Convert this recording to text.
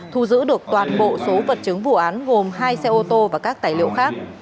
thu giữ được toàn bộ số vật chứng vụ án gồm hai xe ô tô và các tài liệu khác